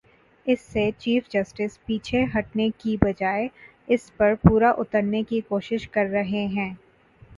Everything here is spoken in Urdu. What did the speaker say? اس سے چیف جسٹس پیچھے ہٹنے کی بجائے اس پر پورا اترنے کی کوشش کر رہے ہیں۔